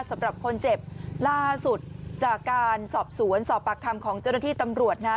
สำหรับคนเจ็บล่าสุดจากการสอบสวนสอบปากคำของเจ้าหน้าที่ตำรวจนะ